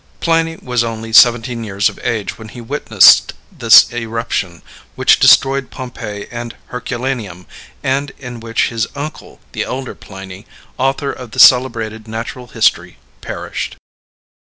Pliny was only seventeen years of age when he witnessed this eruption, which destroyed Pompeii and Herculaneum, and in which his uncle, the elder Pliny, author of the celebrated natural history, perished.